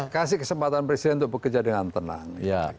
kasih kesempatan presiden untuk bekerja dengan tenang